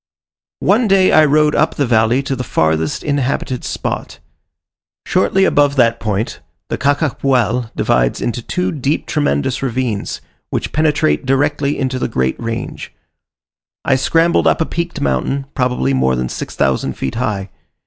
One day I rode up the valley to the farthest inhabited spot. Shortly above that point, the Cachapual divides into two deep tremendous ravines, which penetrate directly into the great range. I scrambled up a peaked mountain, probably more than six thousand feet high.